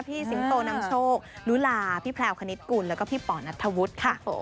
สิงโตนำโชคลุลาพี่แพลวคณิตกุลแล้วก็พี่ป่อนัทธวุฒิค่ะ